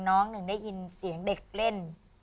น้องหนึ่งได้ยินเสียงเด็กเล่น